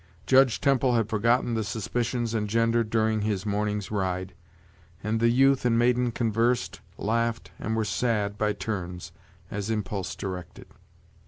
Judge Temple had forgotten the suspicions engendered during his morning's ride, and the youth and maiden conversed, laughed, and were sad by turns, as impulse directed.